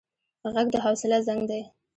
غږ د حوصله زنګ دی